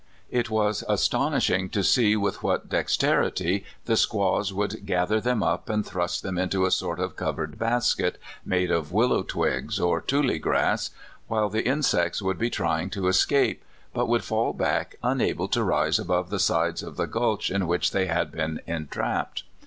It was astonishing to see with what dexterity the squaws would gather them up and thrust them into a sort of covered basket, made of willow twigs or tule grass, while the insects would be trying to es cape, but would fall back unable to rise above the sides of the gulch in which they had been en trapped.